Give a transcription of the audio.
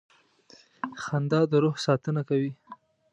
• خندا د روح ساتنه کوي.